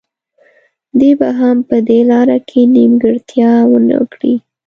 دی به هم په دې لاره کې نیمګړتیا ونه کړي.